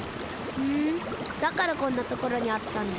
ふんだからこんなところにあったんだ。